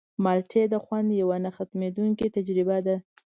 مالټې د خوند یوه نه ختمېدونکې تجربه ده.